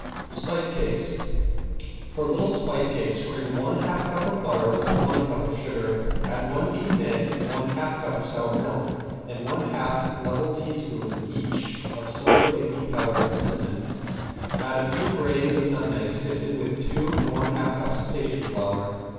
~SPICE CAKES~ For little spice cakes cream one half cup of butter with one cup of sugar, add one beaten egg, one half cup of sour milk, and one half level teaspoon each of soda, baking powder, and cinnamon, and a few gratings of nutmeg sifted with two and one half cups of pastry flour.